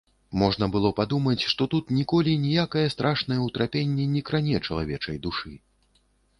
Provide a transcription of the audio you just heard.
Можна было думаць, што тут ніколі ніякае страшнае ўтрапенне не кране чалавечай душы.